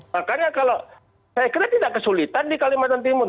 makanya kalau saya kira tidak kesulitan di kalimantan timur